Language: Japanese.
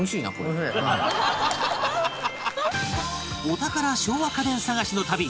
お宝昭和家電探しの旅